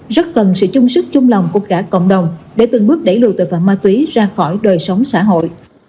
rất cần sự chung sức chung lòng của cả cộng đồng để từng bước đẩy lùi tội phạm ma túy ra khỏi đời sống xã hội